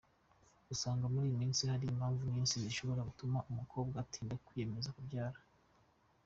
Usanga muri iyi minsi hari impamvu nyinshi zishobora gutuma umukobwa atinda kwiyemeza kubyara.